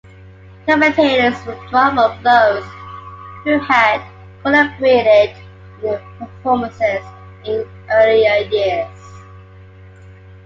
Commentators were drawn from those who had collaborated in the performances in earlier years.